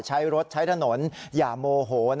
ใช้รถใช้ถนนอย่าโมโห